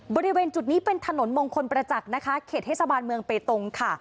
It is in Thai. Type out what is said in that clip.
บริเวณจุดนี้เป็นถนนมงคลประจักษ์นะคะเขตเทศบาลเมืองเบตงค่ะ